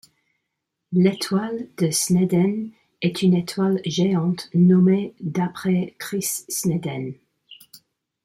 L'étoile de Sneden est une étoile géante nommée d'après Chris Sneden.